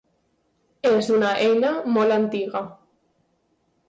És una eina molt antiga.